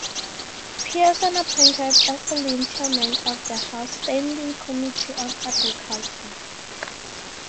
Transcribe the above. Pearson appointed Asselin chairman of the House Standing Committee on Agriculture.